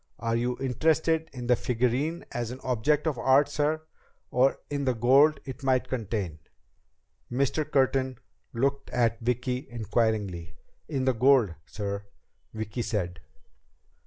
"Are you interested in the figurine as an object of art, sir, or in the gold it might contain?" Mr. Curtin looked at Vicki inquiringly. "In the gold, sir," Vicki said.